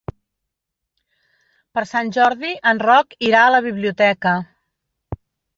Per Sant Jordi en Roc irà a la biblioteca.